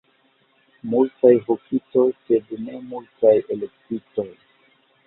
Multaj vokitoj, sed ne multaj elektitoj.